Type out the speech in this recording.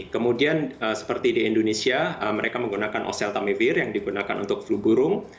kemudian seperti di indonesia mereka menggunakan oseltamivir yang digunakan untuk flu burung